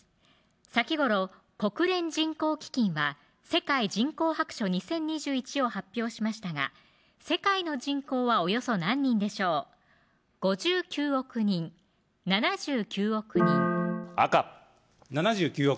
先頃国連人口基金は「世界人口白書２０２１」を発表しましたが世界の人口はおよそ何人でしょう５９億人・７９億人赤７９億